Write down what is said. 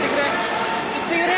いってくれ！